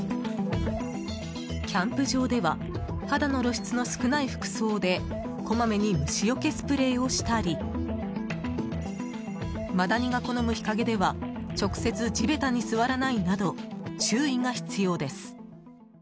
キャンプ場では肌の露出の少ない服装でこまめに虫よけスプレーをしたりマダニが好む日陰では直接、地べたに座らないなど注意が必要です。